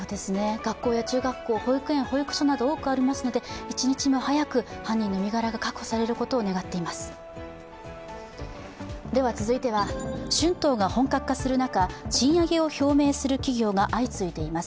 学校や中学校、保育園、保育所など、多くありますので、一日も早く犯人の身柄が確保されることを願っています。